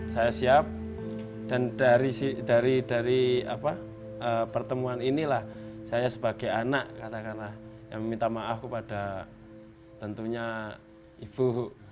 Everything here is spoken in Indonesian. saya siap dan dari pertemuan inilah saya sebagai anak katakanlah yang meminta maaf kepada tentunya ibu